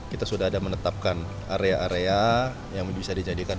kita sudah ada menetapkan area area yang bisa dijadikan